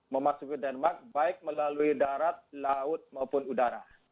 memasuki denmark baik melalui darat laut maupun udara